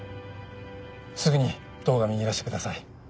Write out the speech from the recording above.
すぐに堂上にいらしてください。